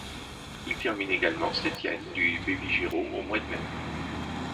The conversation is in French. Il termine également septième du Baby Giro au mois de mai.